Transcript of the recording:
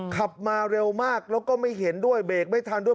ขับมาเร็วมากแล้วก็ไม่เห็นด้วยเบรกไม่ทันด้วย